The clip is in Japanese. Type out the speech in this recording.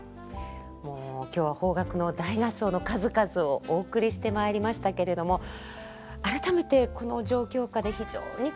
もう今日は邦楽の大合奏の数々をお送りしてまいりましたけれども改めてこの状況下で非常に新鮮に受け止めました。